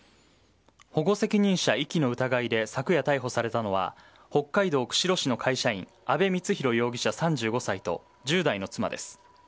保護責任者遺棄の疑いで昨夜、逮捕されたのは北海道釧路市の会社員阿部光浩容疑者、３５歳と１０代の妻です。